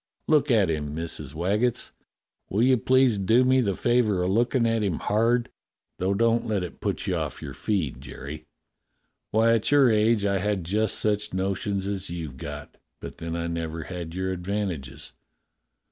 Look at him. Missus Waggetts. Will you please do me the favour of lookin' 160 DOCTOR SYN at him hard, though don't let it put you off your feed, Jerry. Why, at your age I had just such notions as you've got, but then I never had your advantages.